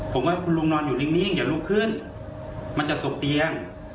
ผมว่าคุณลุงนอนอยู่นิ่งอย่าลุกขึ้นมันจะตกเตียง